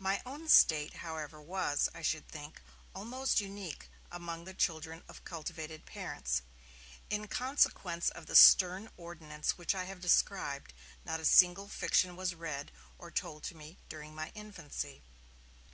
My own state, however, was, I should think, almost unique among the children of cultivated parents. In consequence of the stern ordinance which I have described, not a single fiction was read or told to me during my infancy.